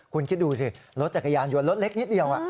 คุณคิดดูสิรถจักรยานยนต์รถเล็กนิดเดียว